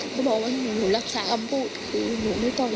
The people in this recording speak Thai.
เขาบอกว่าหนูรักษาการพูดคือหนูไม่ต่อเยอะเลย